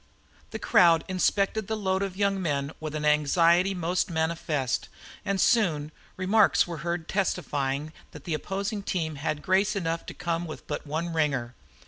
The crowd inspected the load of young men with an anxiety most manifest, and soon remarks were heard testifying that the opposing team had grace enough to come with but one ringer.